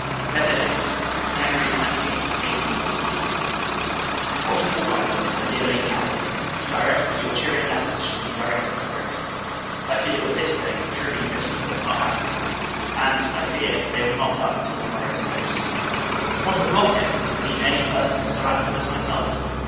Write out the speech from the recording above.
LETTER VIII. January 28, 1801. What a fool I was, my dear Lady Hamilton, to direct that your cheering letters should be directed for Brixham! I feel, this day, truly miserable, in not having them; and, I fear, they will not come till to morrow's post. What a blockhead, to believe any person is so active as myself!